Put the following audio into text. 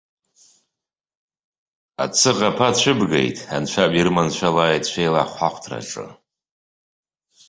Ацыӷ аԥа ацәыбгеит, анцәа бирманшәалеит шәеилахәҳахәҭраҿы.